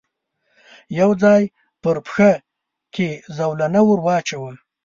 يو ځای پر پښه کې زولنه ور واچاوه.